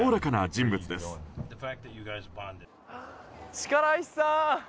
力石さん！